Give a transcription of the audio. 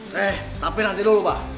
nih tapi nanti dulu bah